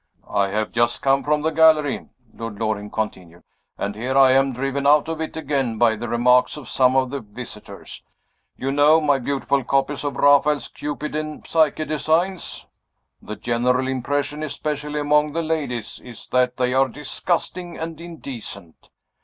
"I have just come from the gallery," Lord Loring continued. "And here I am, driven out of it again by the remarks of some of the visitors. You know my beautiful copies of Raphael's Cupid and Psyche designs? The general impression, especially among the ladies, is that they are disgusting and indecent.